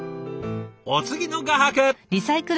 お次の画伯！